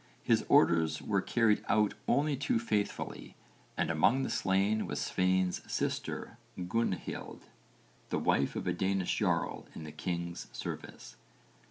His orders were carried out only too faithfully and among the slain was Svein's sister Gunnhild, the wife of a Danish jarl in the king's service.